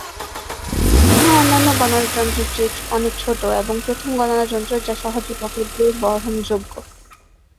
ইহা অন্যান্য গণনা যন্ত্রের চেয়ে অনেক ছোট এবং প্রথম গণনা যন্ত্র যা সহজে পকেটে বহনযো।